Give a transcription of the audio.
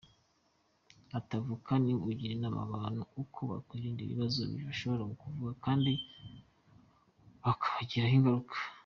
Ati “Avoka ni ugira inama abantu uko bakwirinda ibibazo bishobora kuvuka kandi bikabagiraho ingaruka.